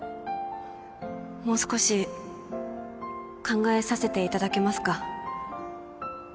もう少し考えさせていただけますか